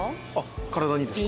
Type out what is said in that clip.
体にですか？